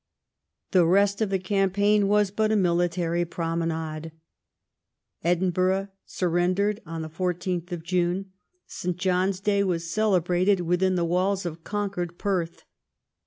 The rest of the campaign was but a military promenade. Edinburgh surrendered on 14th June. St. John's day was celebrated within the walls of conquered Perth.